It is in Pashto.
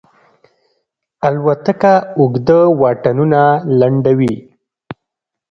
الوتکه اوږده واټنونه لنډوي.